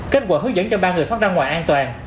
kết quả hướng dẫn cho ba người thoát ra ngoài an toàn